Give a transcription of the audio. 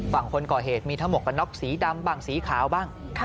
ฝั่งคนก่อเหตุมีทั้งหมวกกันน็อกสีดำบ้างสีขาวบ้าง